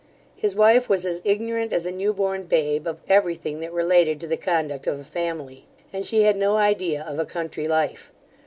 His wife was as ignorant as a new born babe of everything that related to the conduct of a family; and she had no idea of a country life.